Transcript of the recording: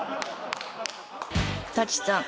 舘さん。